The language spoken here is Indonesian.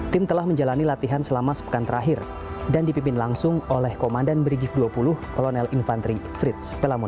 tim telah menjalani latihan selama sepekan terakhir dan dipimpin langsung oleh komandan brigif dua puluh kolonel infantri frits pelamon